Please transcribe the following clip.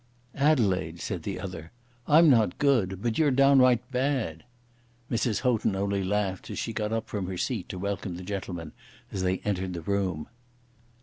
"Adelaide," said the other, "I'm not good, but you're downright bad." Mrs. Houghton only laughed, as she got up from her seat to welcome the gentlemen as they entered the room.